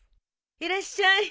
いらっしゃい。